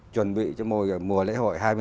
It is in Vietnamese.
chuẩn bị cho mùa lễ hội hai mươi bảy